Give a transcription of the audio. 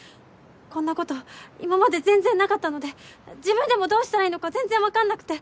こんなこと今まで全然なかったので自分でもどうしたらいいのか全然分かんなくて。